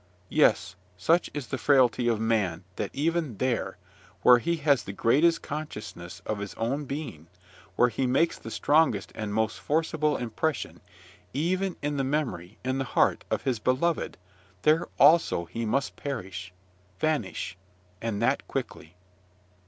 Yes, such is the frailty of man, that even there, where he has the greatest consciousness of his own being, where he makes the strongest and most forcible impression, even in the memory, in the heart, of his beloved, there also he must perish, vanish, and that quickly.